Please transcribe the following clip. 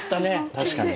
確かに。